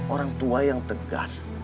orang tua yang tegas